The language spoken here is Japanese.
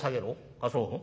あっそう。